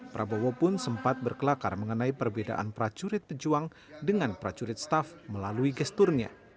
prabowo pun sempat berkelakar mengenai perbedaan pracurit pejuang dengan prajurit staff melalui gesturnya